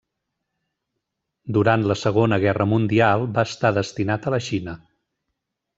Durant la Segona Guerra Mundial, va estar destinat a la Xina.